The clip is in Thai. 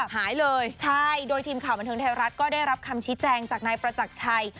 หายเลยใช่โดยทีมข่าวบันเทิงไทยรัฐก็ได้รับคำชี้แจงจากนายประจักรชัย